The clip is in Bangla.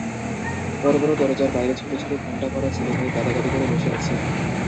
বড় বড় দরজার বাইরে ছোট ছোট ঘোমটা পরা ছেলে-মেয়ে গাদাগাদি করে বসে আছে।